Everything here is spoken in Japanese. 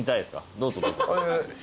どうぞどうぞ。